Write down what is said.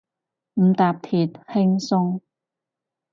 唔搭鐵，輕鬆